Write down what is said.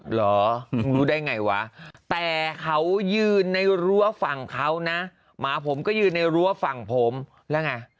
เหรอมึงรู้ได้ไงวะแต่เขายืนในรั้วฝั่งเขานะหมาผมก็ยืนในรั้วฝั่งผมแล้วไง